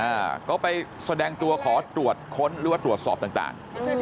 อ่าก็ไปแสดงตัวขอตรวจค้นหรือว่าตรวจสอบต่างต่าง